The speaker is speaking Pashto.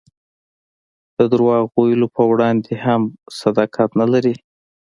د درواغ ویلو په وړاندې هم صداقت نه لري.